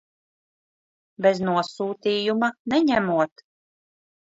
Bez nosūtījuma neņemot.